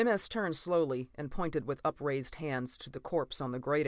S. turned slowly and pointed with upraised hand to the corpse on the grating.